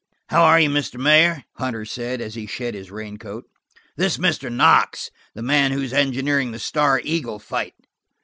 "How are you, Mr. Mayor?" Hunter said, as he shed his raincoat. "This is Mr. Knox, the man who's engineering the Star Eagle fight."